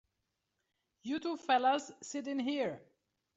You two fellas sit in here.